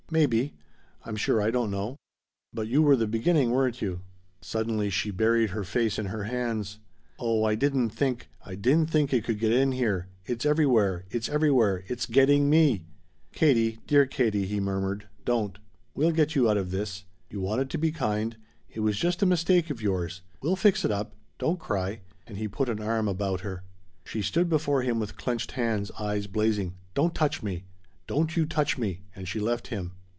"Maybe. I'm sure I don't know. But you were the beginning, weren't you?" Suddenly she buried her face in her hands. "Oh I didn't think I didn't think it could get in here! It's everywhere! It's everywhere! It's getting me!" "Katie dear Katie," he murmured, "don't. We'll get you out of this. You wanted to be kind. It was just a mistake of yours. We'll fix it up. Don't cry." And he put an arm about her. She stood before him with clenched hands, eyes blazing. "Don't touch me! Don't you touch me!" And she left him.